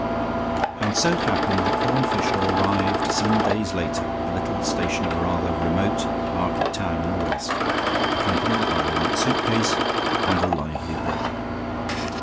And so it happened that Horne Fisher arrived some days later at the little station of a rather remote market town in the west, accompanied by a light suitcase and a lively brother.